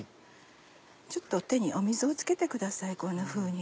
ちょっと手に水をつけてくださいこんなふうに。